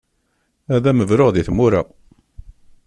Ad am-bruɣ di tmura.